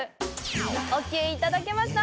オーケーいただけました！